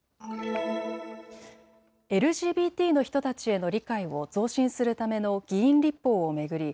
ＬＧＢＴの人たちへの理解を増進するための議員立法を巡り